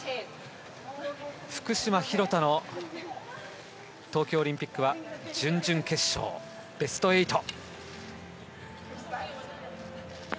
福島、廣田の東京オリンピックは準々決勝ベスト８。